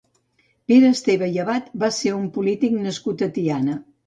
Pere Esteve i Abad va ser un polític nascut a Tiana.